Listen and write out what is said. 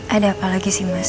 ada apa lagi sih mas